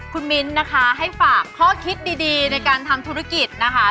คุณมิ้นนะคะให้ฝากข้อคิดดีในการทำธุรกิจนะคะ